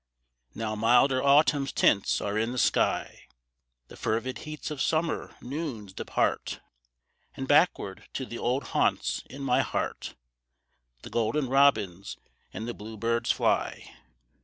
Now milder Autumn's tints are in the sky; The fervid heats of summer noons depart; And backward to the old haunts in my heart The golden robins and the blue birds fly.